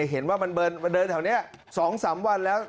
เห็นว่ามันเดินแถวนี้๒๓วันแล้ว